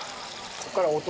ここから音。